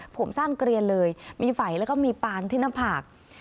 ผมสั้นเกลียนเลยมีไฝแล้วก็มีปานที่หน้าผาก